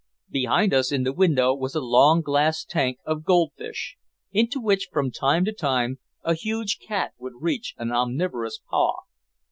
Behind us in the window was a long glass tank of gold fish, into which from time to time a huge cat would reach an omnivorous paw.